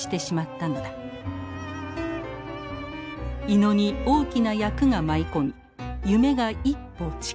井野に大きな役が舞い込み夢が一歩近づく。